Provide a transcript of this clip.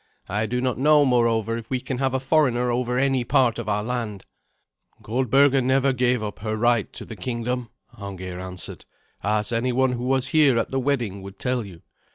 I do not know, moreover, if we can have a foreigner over any part of our land." "Goldberga never gave up her right to the kingdom," Arngeir answered, "as anyone who was here at the wedding would tell you.